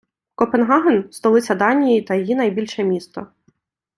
Копенгаген — столиця Данії та її найбільше місто.